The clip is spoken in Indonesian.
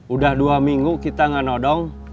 udah dua minggu kita nggak nodong